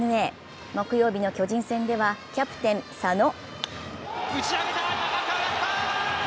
木曜日の巨人戦ではキャプテン・佐野。